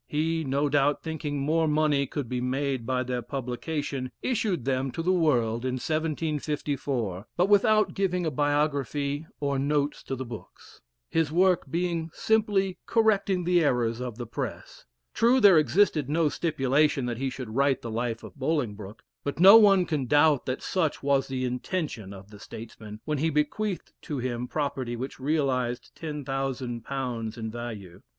He, no doubt, thinking more money could be made by their publication, issued them to the world in 1754, but without giving a biography or notes to the books, his work being simply correcting the errors of the press. True, there existed no stipulation that he should write the Life of Bolingbroke, but no one can doubt that such was the intention of the statesman, when he bequeathed to him property which realized £10,000 in value.